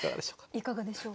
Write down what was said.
いかがでしょう？